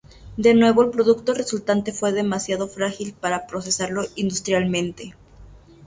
De nuevo el producto resultante fue demasiado frágil para procesarlo industrialmente.